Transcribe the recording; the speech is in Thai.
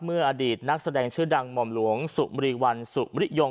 อดีตนักแสดงชื่อดังหม่อมหลวงสุมรีวันสุมริยง